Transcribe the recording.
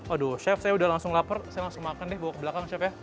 aduh chef saya udah langsung lapar saya langsung makan deh bawa ke belakang ya